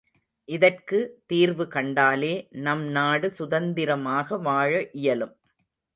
இதற்கு தீர்வு கண்டாலே நம்நாடு சுதந்திரமாக வாழ இயலும்.